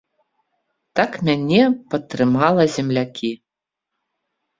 Так мяне падтрымала землякі.